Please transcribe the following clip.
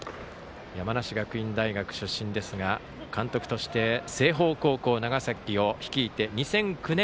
山梨学院大学出身ですが監督として清峰高校長崎を率いて２００９年